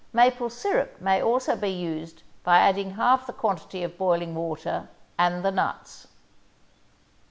Maple syrup may also be used by adding half the quantity of boiling water and the nuts.